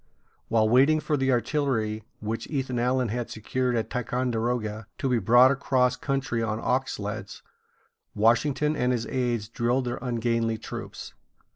While waiting for the artillery which Ethan Allen had secured at Ticonderoga to be brought across country on ox sleds, Washington and his aids drilled their ungainly troops.